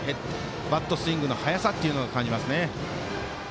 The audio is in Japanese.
バットスイングの速さを感じます。